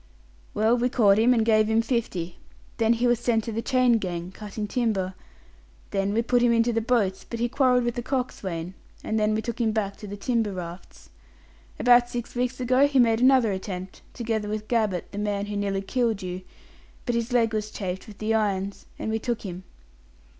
"Well, we caught him, and gave him fifty. Then he was sent to the chain gang, cutting timber. Then we put him into the boats, but he quarrelled with the coxswain, and then we took him back to the timber rafts. About six weeks ago he made another attempt together with Gabbett, the man who nearly killed you but his leg was chafed with the irons, and we took him.